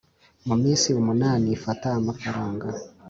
mu minsi umunani Ifata amafaranga